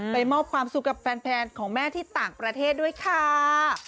มอบความสุขกับแฟนของแม่ที่ต่างประเทศด้วยค่ะ